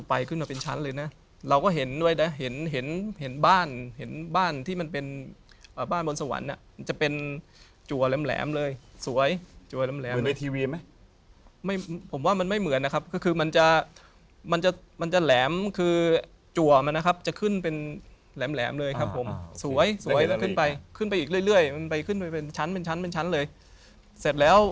ประตูเลยอ่ะจะมีคนมาหาเราก็รู้แล้ว